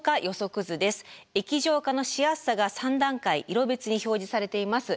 液状化のしやすさが３段階色別に表示されています。